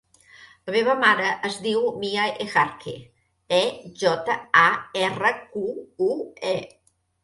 La meva mare es diu Mia Ejarque: e, jota, a, erra, cu, u, e.